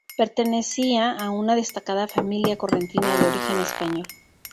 Pertenecía a una destacada familia correntina de origen español.